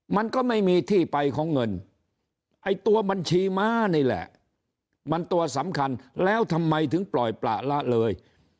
มันก็ไม่มีที่ไปของเงินไอ้ตัวบัญชีม้านี่แหละมันตัวสำคัญแล้วทำไมถึงปล่อยประละเลย